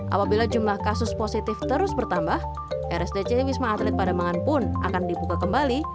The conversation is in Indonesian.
apabila jumlah kasus positif terus bertambah rsdc wisma atlet pademangan pun akan dibuka kembali